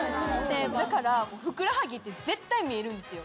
だからふくらはぎって絶対見えるんすよ。